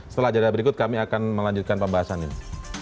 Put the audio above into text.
setelah jadwal berikut kami akan melanjutkan pembahasan ini